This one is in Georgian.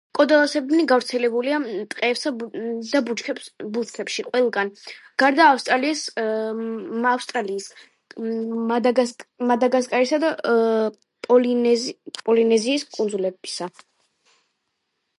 კოდალასებრნი გავრცელებულია ტყეებსა და ბუჩქნარებში ყველგან, გარდა ავსტრალიის, მადაგასკარისა და პოლინეზიის კუნძულებისა.